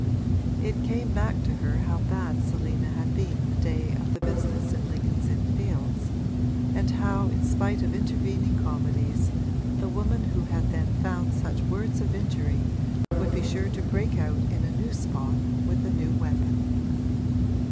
It came back to her how bad Selina had been the day of the business in Lincoln's Inn Fields, and how in spite of intervening comedies the woman who had then found such words of injury would be sure to break out in a new spot with a new weapon.